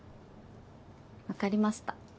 分かりました。